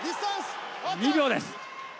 ２秒です。